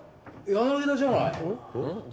柳田じゃない？